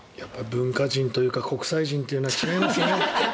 文化人というか国際人というのは違いますね。